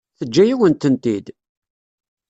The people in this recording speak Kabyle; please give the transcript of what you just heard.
Teǧǧa-yawen-tent-id?